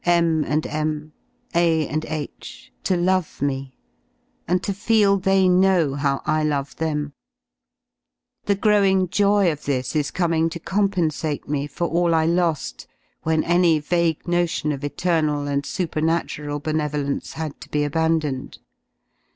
M.... and M...., \ A.... and H.... toloveme, andtofeeltheyknowhowI love them; the growing joy of this is coming to compensate me for all I lo^ when any vague notion of eternal and super natural benevolence had to be abandoned.